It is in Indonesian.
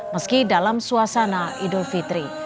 meski dalam suasana idul fitri